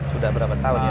sudah beberapa tahun ya